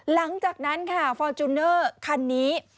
หลังจากนั้นค่ะฟอร์จูเนอร์คันนี้